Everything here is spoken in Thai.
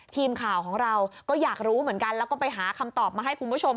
ทีมข่าวของเราก็อยากรู้เหมือนกันแล้วก็ไปหาคำตอบมาให้คุณผู้ชม